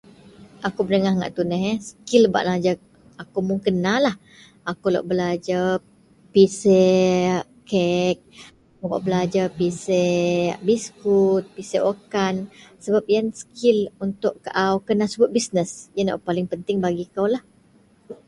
kou pedengah ngak tuneh yeh, skill bak nelajer ko mun kenalah, akou lok belajer piseak kek, akou bak belajer piseak biskut, piseak wakkan sebab ien skill untuk kaau kena subet bisness. ien wak paling penting bagi koulah